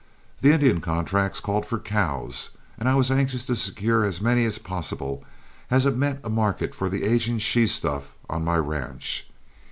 The Indian contracts called for cows, and I was anxious to secure as many as possible, as it meant a market for the aging she stuff on my ranch.